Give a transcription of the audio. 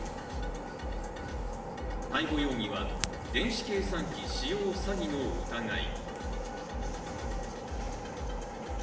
逮捕容疑は、電子計算機使用詐欺罪の疑い。